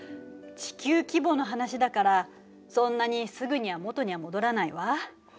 地球規模の話だからそんなにすぐには元には戻らないわ。